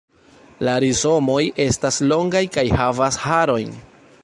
La rizomoj estas longaj kaj havas harojn.